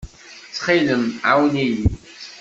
Ttxil-m, ɛawen-iyi.